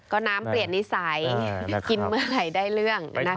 ก็น้ำเปลี่ยนนิสัยกินเมื่อไหร่ได้เรื่องนะคะ